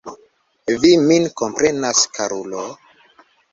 Vi min komprenas, karulo?